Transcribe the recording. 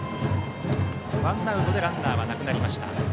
ワンアウトでランナーはなくなりました。